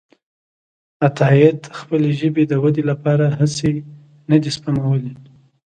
عطاييد خپلې ژبې د ودې لپاره هڅې نه دي سپمولي.